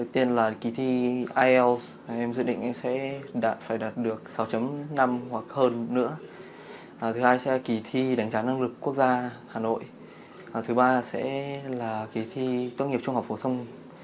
thứ ba sẽ là kỳ thi tốt nghiệp trung học phổ thông